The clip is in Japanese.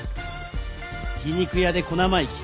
皮肉屋で小生意気。